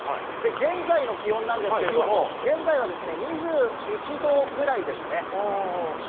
現在の気温なんですけれども、現在は２１度くらいですね。